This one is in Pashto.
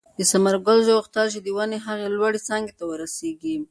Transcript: د ثمرګل زوی غوښتل چې د ونې هغې لوړې څانګې ته ورسېږي.